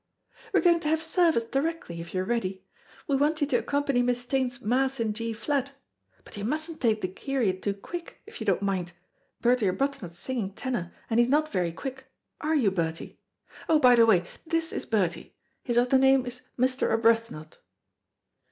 "We're going to have service directly, if you're ready. We want you to accompany Miss Staines's Mass in G flat, but you mustn't take the Kyrie too quick, if you don't mind. Bertie Arbuthnot's singing tenor, and he's not very quick are you, Bertie? Oh, by the way, this is Bertie. His other name is Mr. Arbuthnot."